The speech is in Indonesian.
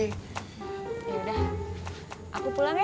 yaudah aku pulang ya